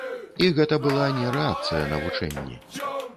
І гэта была не рэакцыя на вучэнні.